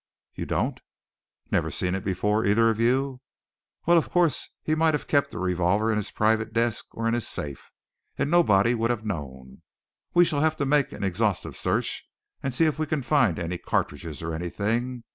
You don't? Never seen it before, either of you? Well, of course he might have kept a revolver in his private desk or in his safe, and nobody would have known. We shall have to make an exhaustive search and see if we can find any cartridges or anything.